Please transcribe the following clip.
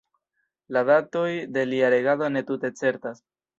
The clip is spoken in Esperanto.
La datoj de lia regado ne tute certas.